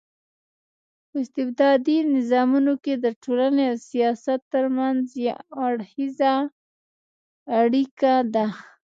په استبدادي نظامونو کي د ټولني او سياست ترمنځ يو اړخېزه اړيکه ده